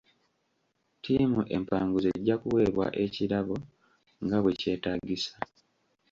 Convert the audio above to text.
Ttiimu empanguzi ejja kuweebwa ekirabo nga bwekyetaagisa.